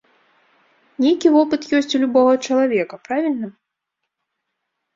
Нейкі вопыт ёсць у любога чалавека, правільна?